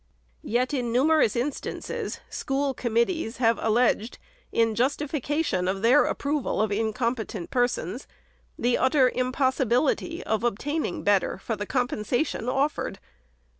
Yet, in numerous instances, school committees have alleged, in justification of their approval of incompetent persons, the utter impossibility of obtaining better for the compensation offered.